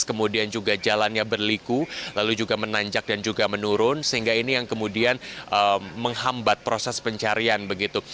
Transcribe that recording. kemudian juga jalannya berliku lalu juga menanjak dan juga menurun sehingga ini yang kemudian menghambat proses pencarian begitu